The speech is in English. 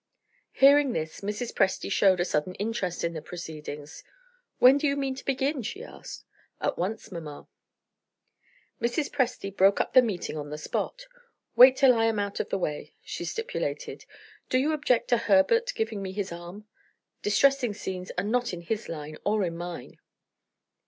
Hearing this, Mrs. Presty showed a sudden interest in the proceedings "When do you mean to begin?" she asked. "At once, mamma." Mrs. Presty broke up the meeting on the spot. "Wait till I am out of the way," she stipulated. "Do you object to Herbert giving me his arm? Distressing scenes are not in his line or in mine."